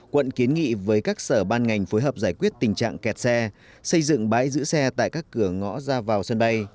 quận kiến nghị với các sở ban ngành phối hợp giải quyết tình trạng kẹt xe xây dựng bãi giữ xe tại các cửa ngõ ra vào sân bay